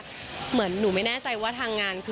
ชื่อเราคือใส่ในผ้างานหรอ